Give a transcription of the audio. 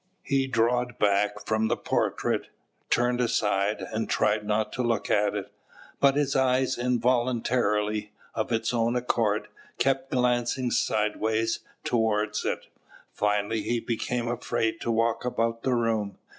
He draw back from the portrait, turned aside, and tried not to look at it; but his eye involuntarily, of its own accord, kept glancing sideways towards it. Finally, he became afraid to walk about the room.